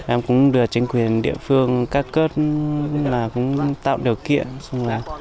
em cũng được chính quyền địa phương cắt cất tạo điều kiện